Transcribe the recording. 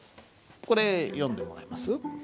これ読んでもらえます？